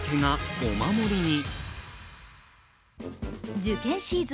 受験シーズン